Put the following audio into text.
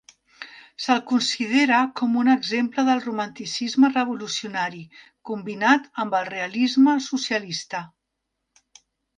Se'l considera com un exemple del romanticisme revolucionari combinat amb el realisme socialista.